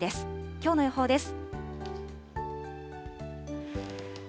きょうの予報です。